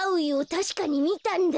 たしかにみたんだ。